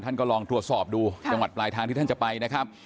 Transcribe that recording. ท่านก็ลองตรวจสอบดูจังหวัดปลายทางที่ท่านจะไปนะครับ